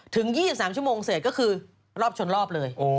ถึง๒๓ชั่วโมงเสร็จก็คือรอบชนรอบเลย